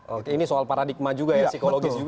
oke ini soal paradigma juga ini soal paradigma juga